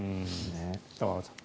玉川さん。